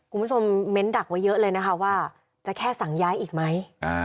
กลุ่มสมมินท์ดักไว้เยอะเลยนะครับว่าจะแค่สั่งย้ายอีกไหม